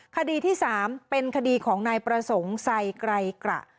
คดีที่๓เป็นคดีของนายประสงค์ไซไกรกระ